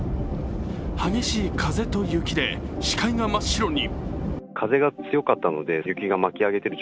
激しい風と雪で視界が真っ白に。